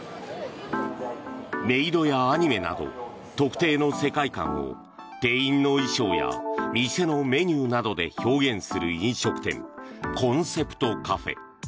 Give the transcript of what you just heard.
メイドやアニメなど特定の世界観を店員の衣装や店のメニューなどで表現する飲食店コンセプトカフェ。